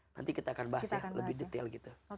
nanti kita akan bahasnya lebih detail gitu